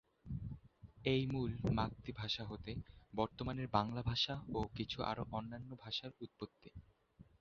এই মূল মাগধী ভাষা হতে বর্তমানের বাংলা ভাষা ও কিছু আরো অন্যান্য ভাষার উৎপত্তি।